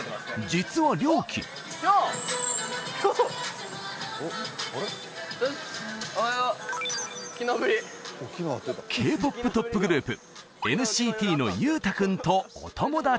実はＲＹＯＫＩＫ−ＰＯＰトップグループＮＣＴのユウタ君とお友達